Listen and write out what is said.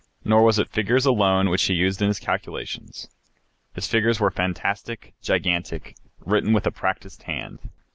Nor was it figures alone which he used in his calculations. His figures were fantastic, gigantic, written with a practiced hand.